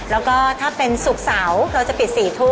แล้วก็ถ้าเป็นศุกร์เสาร์เราจะปิด๔ทุ่ม